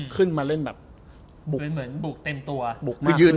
ขึ้นมาเล่นแบบบุกเต็มตัว